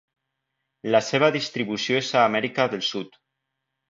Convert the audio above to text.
La seva distribució és a Amèrica del Sud.